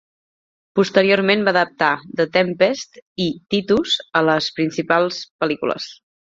Posteriorment va adaptar "The Tempest" i "Titus" a les principals pel·lícules.